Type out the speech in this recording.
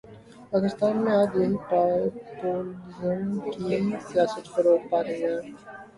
پاکستان میں آج یہی پاپولزم کی سیاست فروغ پا رہی ہے۔